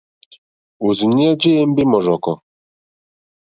Òrzìɲɛ́ jé ěmbé mɔ́rzɔ̀kɔ̀.